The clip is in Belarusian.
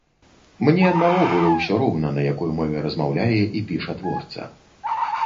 Мне, наогул, усё роўна, на якой мове размаўляе і піша творца.